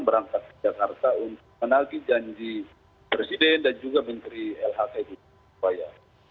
berangkat ke jakarta untuk menagi janji presiden dan juga menteri lhk di surabaya